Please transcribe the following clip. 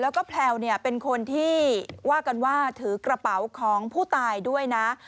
แล้วก็แพลวเนี่ยเป็นคนที่ว่ากันว่าถือกระเป๋าของผู้ตายด้วยนะ